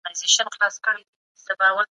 ولسواکي د استبداد تر سيوري لاندي نه سي وده کولای.